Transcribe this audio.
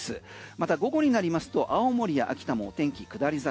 また午後になりますと青森や秋田もお天気下り坂。